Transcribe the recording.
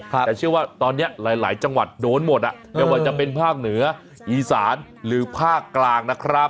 แต่เชื่อว่าตอนนี้หลายจังหวัดโดนหมดไม่ว่าจะเป็นภาคเหนืออีสานหรือภาคกลางนะครับ